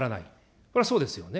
これはそうですよね。